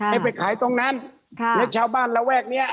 ให้ไปขายตรงนั้นค่ะแล้วชาวบ้านระแวกเนี้ย